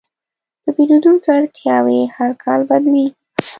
د پیرودونکو اړتیاوې هر کال بدلېږي.